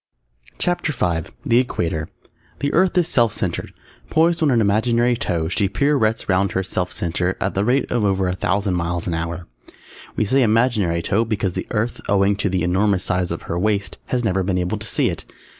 _ CHAPTER V THE EQUATOR The Earth is self centred. Poised on an imaginary toe, she pirouettes round her self centre, at the rate of over a thousand miles an hour. We say imaginary toe because the Earth, owing to the enormous size of her waist, has never been able to see it.